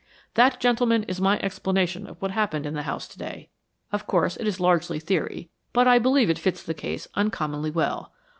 "That, gentlemen, is my explanation of what happened in the house today. Of course, it is largely theory, but I believe it fits the case uncommonly well."